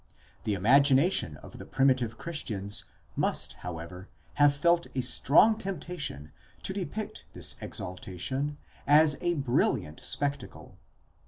The imagination of the primitive Christians must however have felt a strong temptation to depict this exaltation as a brilliant spectacle.